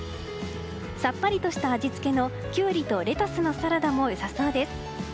さっぱりとした味付けのキュウリとレタスのサラダも良さそうです。